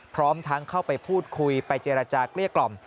พร้อมทั้งเข้าไปพูดคุยไปเจรจาเกลี้ยกล่อม